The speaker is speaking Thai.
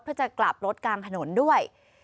เพื่อจะกลับรถกลางถนนด้วย